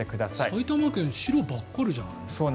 埼玉県白ばっかりじゃない？